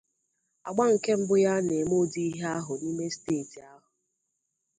àgbà nke mbụ ya a na-eme ụdị ihe ahụ n'ime steeti ahụ.